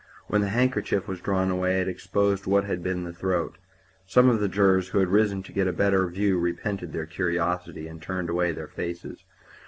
When the handkerchief was drawn away it exposed what had been the throat. Some of the jurors who had risen to get a better view repented their curiosity, and turned away their faces.